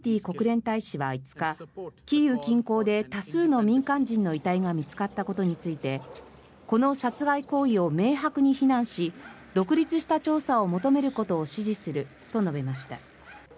国連大使は５日キーウ近郊で多数の民間人の遺体が見つかったことについてこの殺害行為を明白に非難し独立した調査を求めることを支持すると述べました。